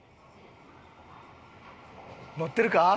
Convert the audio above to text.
乗ってるか？